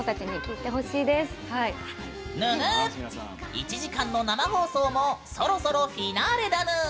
１時間の生放送もそろそろフィナーレだぬん！